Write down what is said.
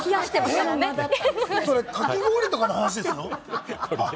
それ、かき氷とかの話ですよ。